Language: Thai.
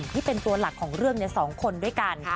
ที่เป็นตัวหลักของเรื่อง๒คนด้วยกัน